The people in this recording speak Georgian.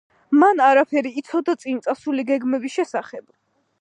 მან არაფერი იცოდა წინ წასული გემების შესახებ.